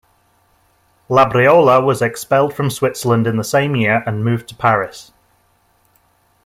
Labriola was expelled from Switzerland in the same year and moved to Paris.